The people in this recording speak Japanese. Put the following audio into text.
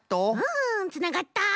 うんつながった！